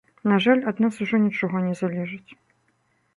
На жаль, ад нас ужо нічога не залежыць.